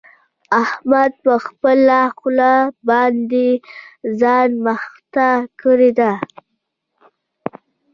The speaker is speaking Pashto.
احمد په خپله خوله باندې ځان مخته کړی دی.